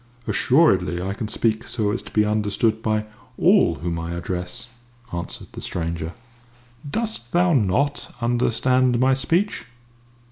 "Assuredly I can speak so as to be understood by all whom I address," answered the stranger. "Dost thou not understand my speech?"